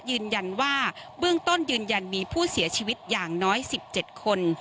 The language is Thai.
ยืนยันว่าเบื้องต้นยืนยันมีผู้เสียชีวิตอย่างน้อย๑๗คน